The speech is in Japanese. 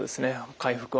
回復は。